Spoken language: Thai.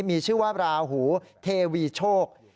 มีชื่อว่าราหูเทวีโชค